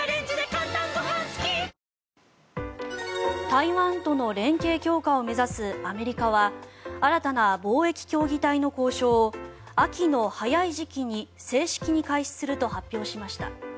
台湾との連携強化を目指すアメリカは新たな貿易協議体の交渉を秋の早い時期に正式に開始すると発表しました。